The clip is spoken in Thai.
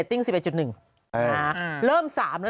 เออหรือเปล่าครับเริ่ม๓นะเถอะ